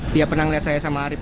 dia pernah melihat saya sama arief